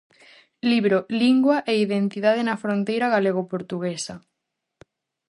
Libro "Lingua e identidade na fronteira galego-portuguesa".